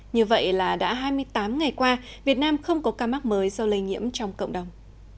như vậy là đã hai mươi tám ngày qua việt nam không có ca mắc mới do lây nhiễm trong cộng đồng